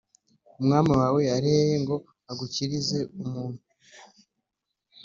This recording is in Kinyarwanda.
Umwami wawe ari hehe ngo agukirize umuntu.